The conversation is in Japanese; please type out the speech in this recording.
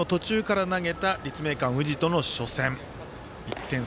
６回の途中から投げた立命館宇治との初戦。